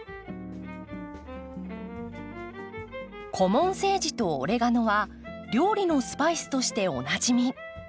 コモンセージとオレガノは料理のスパイスとしておなじみ。